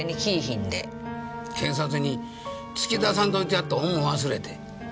警察に突き出さんといてやった恩を忘れて。